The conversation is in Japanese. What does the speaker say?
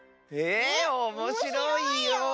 えおもしろいよ。